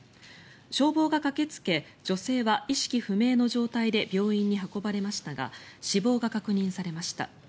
消防が駆けつけ女性は意識不明の状態で病院に運ばれましたが死亡が確認されました。